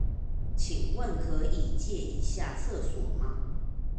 請問可以借用一下廁所嗎？